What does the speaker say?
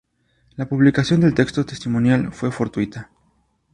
La publicación del texto testimonial fue fortuita.